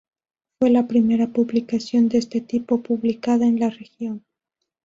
Fue la primera publicación de este tipo publicada en la región.